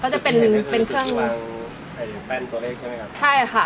สวัสดีครับ